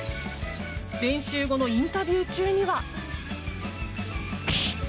練習後のインタビュー中には。